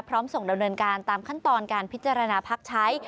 พร้อมส่งดำเนินการตามขั้นตอนการพิจารณาพักใช้